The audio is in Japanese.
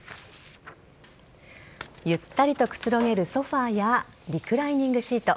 ゆったりとくつろげるソファやリクライニングシート。